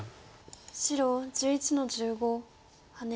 白１１の十五ハネ。